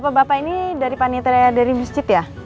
pak bapak bapak ini dari panitera dari masjid ya